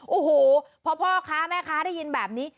โอ้โหพอพ่อค้าแม่ค้าได้ยินแบบนี้